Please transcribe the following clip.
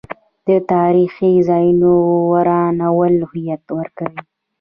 د تاریخي ځایونو ورانول هویت ورکوي.